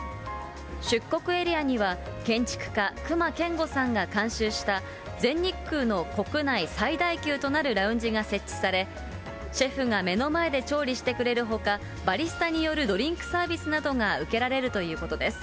出国エリアには、建築家、隈研吾さんが監修した全日空の国内最大級となるラウンジが設置され、シェフが目の前で調理してくれるほか、バリスタによるドリンクサービスなどが受けられるということです。